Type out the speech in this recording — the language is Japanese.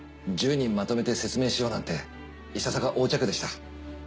１０人まとめて説明しようなんていささか横着でした。